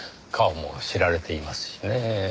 顔も知られていますしねぇ。